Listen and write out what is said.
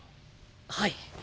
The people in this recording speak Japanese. はい。